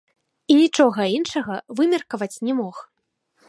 І нічога іншага вымеркаваць не мог.